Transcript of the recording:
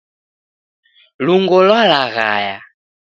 Lungo lwalaghaya